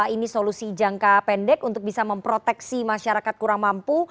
ini solusi jangka pendek untuk bisa memproteksi masyarakat kurang mampu